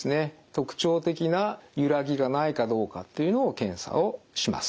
特徴的な揺らぎがないかどうかというのを検査をします。